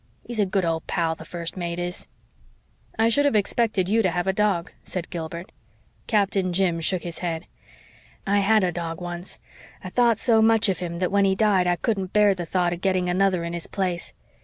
He's a good old pal, the First Mate is." "I should have expected you to have a dog," said Gilbert. Captain Jim shook his head. "I had a dog once. I thought so much of him that when he died I couldn't bear the thought of getting another in his place.